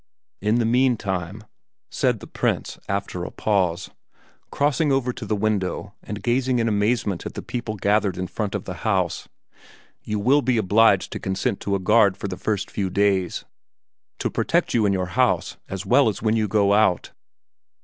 "In the meantime," said the Prince after a pause, crossing over to the window and gazing in amazement at the people gathered in front of the house, "you will be obliged to consent to a guard for the first few days, to protect you in your house as well as when you go out!"